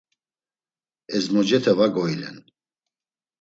Ezmocete va goilen.